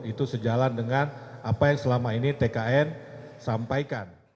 itu sejalan dengan apa yang selama ini tkn sampaikan